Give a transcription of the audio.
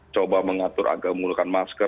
coba mengatur agar menggunakan masker